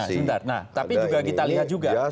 sebentar tapi kita lihat juga